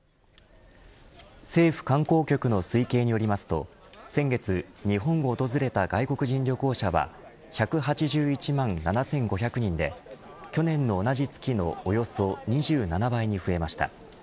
政府観光局の推計によりますと先月日本を訪れた外国人旅行者は１８１万７５００人で去年の同じ月のおよそ２７倍に増えました。